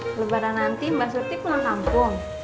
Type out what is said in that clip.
selebaran nanti mbak surti pulang kampung